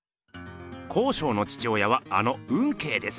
康勝の父親はあの運慶です。